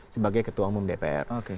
sebagai ketua umum dpr